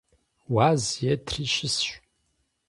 Уаз етри щысщ.